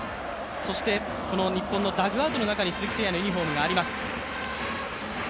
そしてこの日本のダグアウトの中に鈴木誠也のユニフォームがあります。